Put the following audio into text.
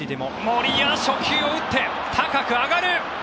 森が初球を打って高く上がる。